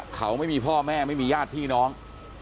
เขาไม่มีพ่อแม่ไม่มีญาติพี่น้อง